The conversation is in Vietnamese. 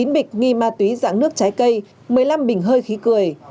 chín bịch nghi ma túy dạng nước trái cây một mươi năm bình hơi khí cười